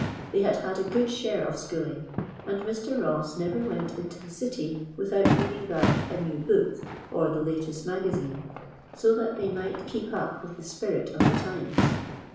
They had had a good share of schooling, and Mr. Ross never went into the city without bringing back a new book or the latest magazine, so that they might keep up with the spirit of the times.